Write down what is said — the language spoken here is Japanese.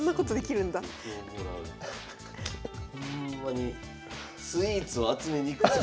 ほんまにスイーツを集めに。